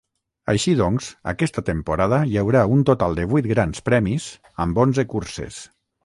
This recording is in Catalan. Així doncs, aquesta temporada hi haurà un total de vuit Grans Premis, amb onze curses.